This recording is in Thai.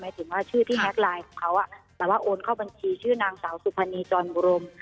ถึงว่าชื่อที่แฮ็กไลน์ของเขาแต่ว่าโอนเข้าบัญชีชื่อนางสาวสุพรรณีจรบุรม